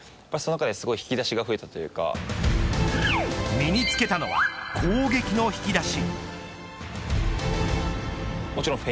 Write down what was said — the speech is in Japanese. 身につけたのは攻撃の引き出し。